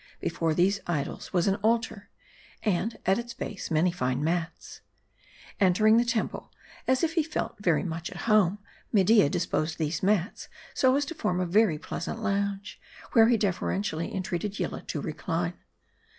Before these idols was an altar, and at its base many fine mats. Entering the temple, as if he felt very much at home, Media disposed these mats so as to form a very pleasant lounge ; where he deferentially entreated Yillah to recline.